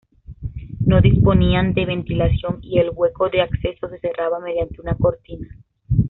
No disponían de ventilación y el hueco de acceso se cerraba mediante una cortina.